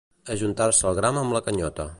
Ajuntar-se el gram amb la canyota.